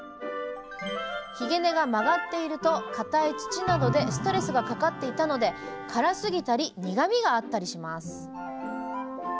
ひげ根が曲がっているとかたい土などでストレスがかかっていたので辛すぎたり苦みがあったりします。